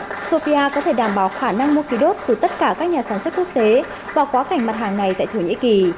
sopia có thể đảm bảo khả năng mua khí đốt từ tất cả các nhà sản xuất quốc tế vào quá cảnh mặt hàng này tại thổ nhĩ kỳ